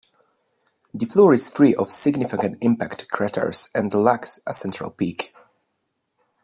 The floor is free of significant impact craters and lacks a central peak.